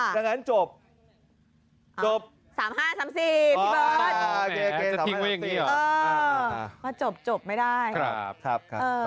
๕๓๔ครับ